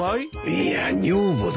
いや女房だ。